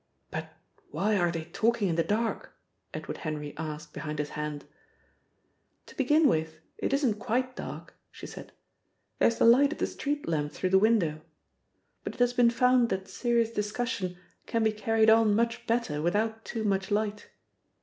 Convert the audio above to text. "But why are they talking in the dark?" Edward Henry asked behind his hand. "To begin with, it isn't quite dark," she said. "There's the light of the street lamp through the window. But it has been found that serious discussions can be carried on much better without too much light....